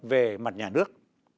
về mặt nhà nước